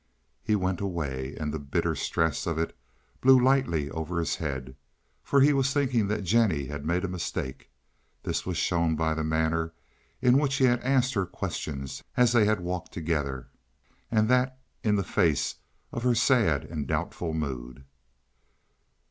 He went away, and the bitter stress of it blew lightly over his head, for he was thinking that Jennie had made a mistake. This was shown by the manner in which he had asked her questions as they had walked together, and that in the face of her sad and doubtful mood.